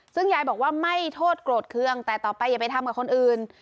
ซึ่งยายบอกว่าไม่โทษโกรธเครื่องแต่ต่อไปอย่าไปทำกับคนอื่น